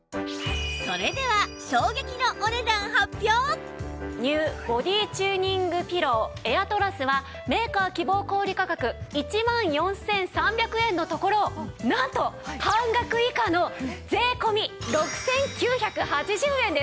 それでは ＮＥＷ ボディチューニングピローエアトラスはメーカー希望小売価格１万４３００円のところなんと半額以下の税込６９８０円です。